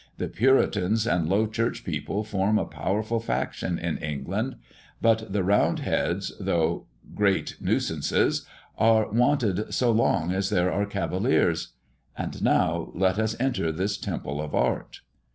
The Puritans and low church people form a powerful faction in England; but the round heads, though great nuisances, are wanted so long as there are cavaliers. And now let us enter this temple of art."